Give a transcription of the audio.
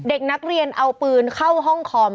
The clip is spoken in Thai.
เด็กนักเรียนเอาปืนเข้าห้องคอม